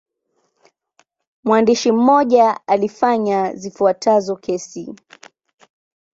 Mwandishi mmoja alifanya zifuatazo kesi.